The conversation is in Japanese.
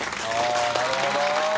なるほど。